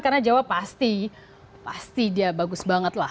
karena jawa pasti pasti dia bagus banget lah